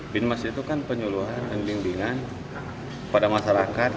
binmas itu kan penyuluhan dan bimbingan pada masyarakat